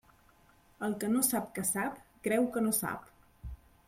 El que no sap que sap, creu que no sap.